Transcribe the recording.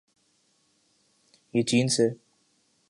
نہ چین سے۔